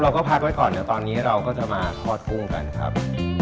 เราก็พักไว้ก่อนเดี๋ยวตอนนี้เราก็จะมาทอดกุ้งกันครับ